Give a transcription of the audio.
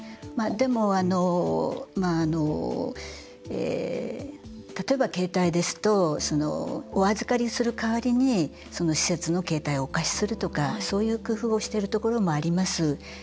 でも、例えば携帯ですとお預かりする代わりに施設の携帯をお貸しするとかそういう工夫をしているところもあります。